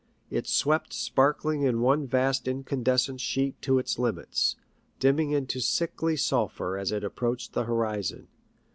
It swept sparkling in one vast incandescent sheet to its limits, dimming into sickly sulphur as it approached the horizon.